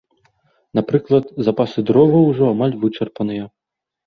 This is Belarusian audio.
Напрыклад, запасы дроваў ужо амаль вычарпаныя.